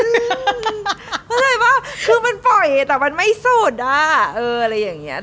มันเลยว่าคือมันปล่อยแต่มันไม่สุดอ่ะเอออะไรอย่างเงี้ย